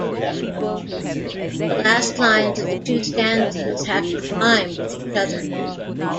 The last lines of the two stanzas have to rhyme with each other.